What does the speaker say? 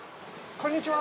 こんにちは。